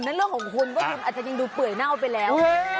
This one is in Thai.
ว่าคุณอาจจะยิ่งดูเปื่อยเน่าไปแล้ว